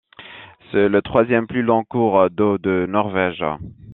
C'est le troisième plus long cours d'eau de Norvège.